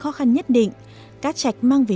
khó khăn nhất định các chạch mang về